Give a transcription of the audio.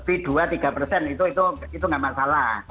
itu tidak masalah